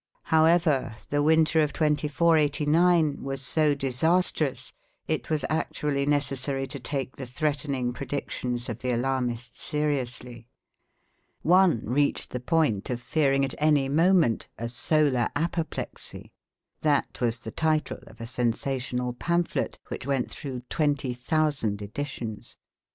However, the winter of 2489 was so disastrous, it was actually necessary to take the threatening predictions of the alarmists seriously. One reached the point of fearing at any moment a "solar apoplexy." That was the title of a sensational pamphlet which went through twenty thousand editions.